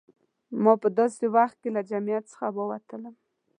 ما په داسې وخت کې له جمعیت څخه ووتلم.